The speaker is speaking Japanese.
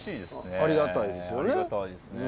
ありがたいですね。